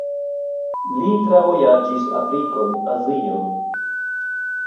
Li travojaĝis Afrikon, Azion.